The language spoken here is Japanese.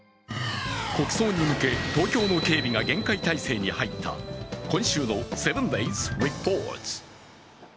国葬に向け東京の警備が厳戒態勢に入った今週の「７ｄａｙｓリポート」。